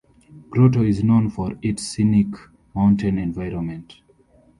Grotto is known for its scenic mountain environment.